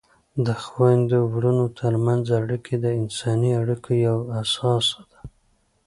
د خویندو ورونو ترمنځ اړیکې د انساني اړیکو یوه اساس ده.